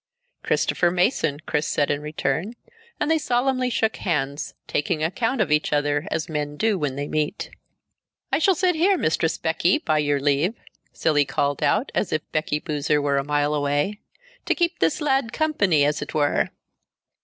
"Christopher Mason," Chris said in return, and they solemnly shook hands, taking account of each other as men do when they meet. "I shall sit here, Mistress Becky, by your leave," Cilley called out, as if Becky Boozer were a mile away, "to keep this lad company, as it were."